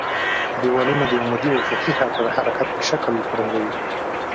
دېوالونه د عمودي او افقي حرکت په شکل رنګوي.